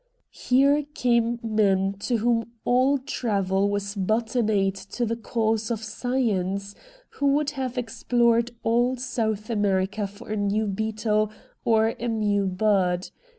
Here came men to whom all travel was but an aid to the cause of science, who would have explored all South America for a new beetle or a new bud.